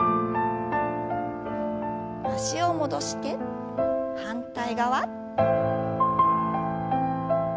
脚を戻して反対側。